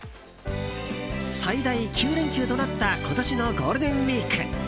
最大９連休となった今年のゴールデンウィーク。